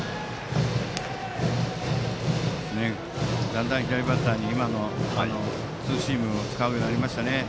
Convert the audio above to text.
だんだん左バッターに今のツーシームを使うようになりましたね。